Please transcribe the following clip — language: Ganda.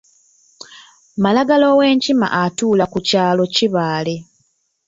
Malagala ow’enkima atuula ku kyalo Kibaale.